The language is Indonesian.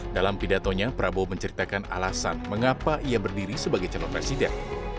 dalam pidatonya prabowo menceritakan alasan mengapa ia berdiri sebagai calon presiden